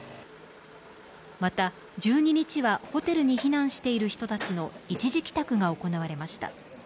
また１２日はホテルに避難している人たちの一時帰宅が行われました。